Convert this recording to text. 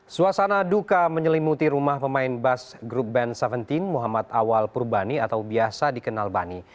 suasana duka menyelimuti rumah pemain bas grup band tujuh belas muhammad awal purbani atau biasa dikenal bani